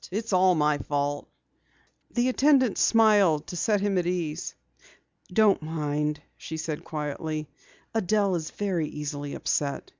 It's all my fault." The attendant smiled to set him at ease. "Don't mind," she said quietly. "Adelle is very easily upset.